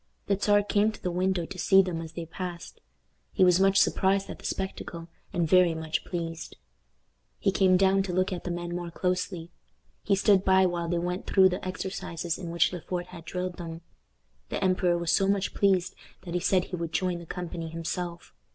The Czar came to the window to see them as they passed. He was much surprised at the spectacle, and very much pleased. He came down to look at the men more closely; he stood by while they went through the exercises in which Le Fort had drilled them. The emperor was so much pleased that he said he would join the company himself.